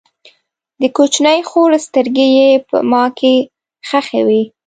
د کوچنۍ خور سترګې یې په ما کې خښې وې